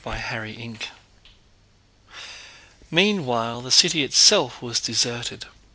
CHAPTER XXII Meanwhile, the city itself was deserted.